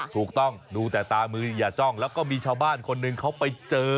ถูกต้องดูแต่ตามืออย่าจ้องแล้วก็มีชาวบ้านคนหนึ่งเขาไปเจอ